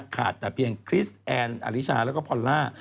ขาดแต่เพียงคริสแอนอลิชาแล้วก็พอลล่า